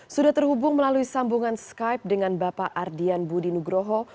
sudah terhubung melalui sambungan skype dengan bapak ardian budi nugroho